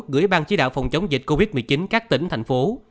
gửi ban chí đạo phòng chống dịch covid một mươi chín các tỉnh thành phố